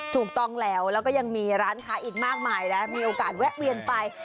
ถูกต้องแล้วแล้วก็ยังมีร้านค้าอีกมากมายนะมีโอกาสแวะเวียนไป